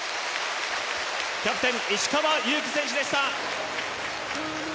キャプテン石川祐希選手でした。